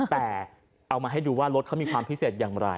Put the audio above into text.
แต่เอามาให้ดูว่ารถเขามีความพิเศษอย่างไร